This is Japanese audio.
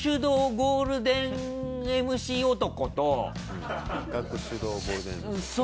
ゴールデンＭＣ男。